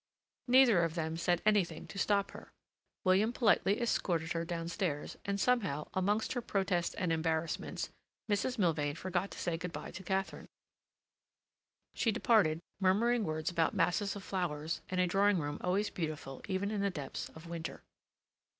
Neither of them said anything to stop her. William politely escorted her downstairs, and somehow, amongst her protests and embarrassments, Mrs. Milvain forgot to say good bye to Katharine. She departed, murmuring words about masses of flowers and a drawing room always beautiful even in the depths of winter.